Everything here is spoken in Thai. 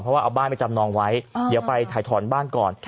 เพราะว่าเอาบ้านไปจำนองไว้เดี๋ยวไปถ่ายถอนบ้านก่อน